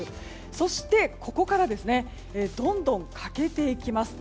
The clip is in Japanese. そして、ここからどんどん欠けていきます。